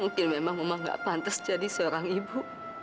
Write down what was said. mungkin memang mama gak pantas jadi seorang ibu